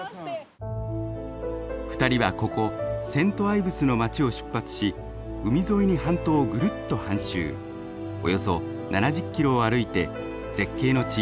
２人はここセント・アイブスの街を出発し海沿いに半島をぐるっと半周およそ７０キロを歩いて絶景の地